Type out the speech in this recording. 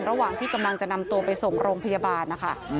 ระหว่างที่กำลังจะนำตัวไปส่งโรงพยาบาลนะคะ